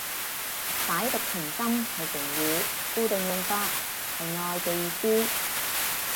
舐犢情深係成語，固定用法，係愛嘅意思